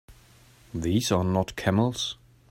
These are not camels!